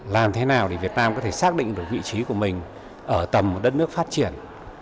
làm thế nào để việt nam có thể xác định được vị trí của mình ở tầm một đất nước phát triển